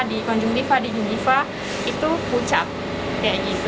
di konjung diva di ginggiva itu pucat